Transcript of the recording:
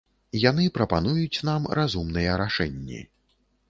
Яны прапануюць нам разумныя рашэнні.